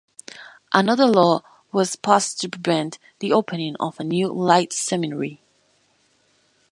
Another law was passed to prevent the opening of a New Light seminary.